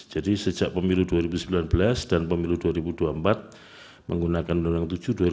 jadi sejak pemilu dua ribu sembilan belas dan pemilu dua ribu dua puluh empat menggunakan undang undang tujuh